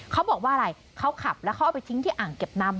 เขาบอกว่าอะไรเขาขับแล้วเขาเอาไปทิ้งที่อ่างเก็บน้ำ